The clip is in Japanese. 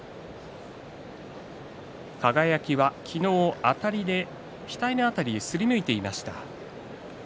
輝は昨日、あたりで額の辺りをすりむいていました。